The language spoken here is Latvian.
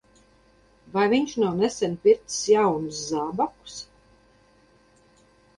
Vai viņš nav nesen pircis jaunus zābakus?